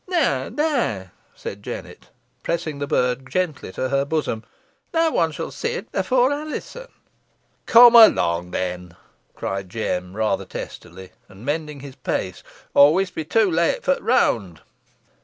"Nah, nah," said Jennet, pressing the bird gently to her bosom, "neaw one shan see it efore Alizon." "Cum along then," cried Jem, rather testily, and mending his pace, "or we'st be too late fo' t' round.